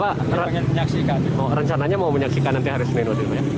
mau rencananya mau menyaksikan nanti hari senin waktu itu pak ya